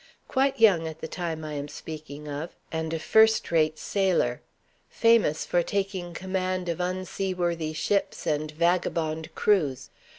Quite young at the time I am speaking of, and a first rate sailor; famous for taking command of unseaworthy ships and vagabond crews.